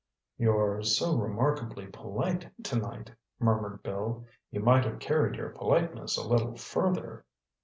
"You're so remarkably polite tonight," murmured Bill, "you might have carried your politeness a little further."